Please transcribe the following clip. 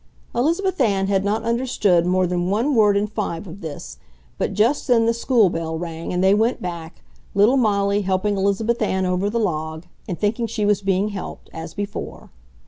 ] Elizabeth Ann had not understood more than one word in five of this, but just then the school bell rang and they went back, little Molly helping Elizabeth Ann over the log and thinking she was being helped, as before.